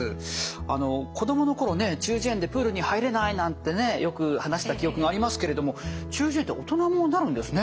あの子供の頃ね「中耳炎でプールに入れない」なんてねよく話した記憶がありますけれども中耳炎って大人もなるんですね。